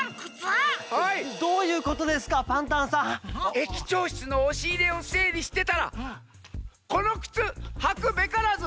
駅長しつのおしいれをせいりしてたら「このくつはくべからず。